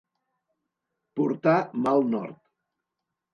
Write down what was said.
Portar mal nord.